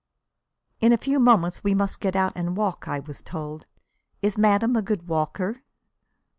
"In a few moments we must get out and walk," I was told. "Is madame a good walker?"